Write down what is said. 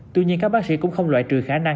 tuy nhiên các bác sĩ cũng không loại trừ khả năng